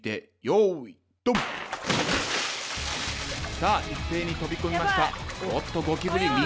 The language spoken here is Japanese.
さあ一斉に飛び込みました。